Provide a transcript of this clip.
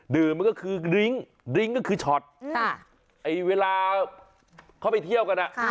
ดื่มมันก็คือลิงก์ลิงก์ก็คือช็อตค่ะไอเวลาเข้าไปเที่ยวกันอ่ะค่ะ